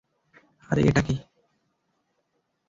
আরে, এটা কী?